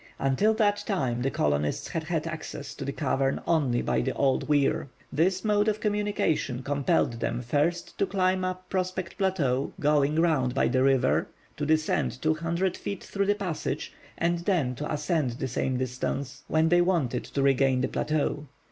Until that time the colonists had had access to the cavern only by the old weir. This mode of communication compelled them first to climb up Prospect Plateau, going round by the river, to descend 200 feet through the passage, and then to ascend the same distance when they wanted to regain the plateau.